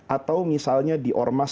atau misalnya di ormas